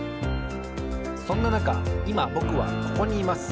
そんななかいまぼくはここにいます。